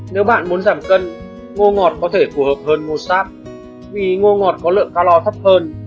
nếu bạn muốn giảm cân ngô ngọt có thể phù hợp hơn ngô sáp vì ngô ngọt có lượng calor thấp hơn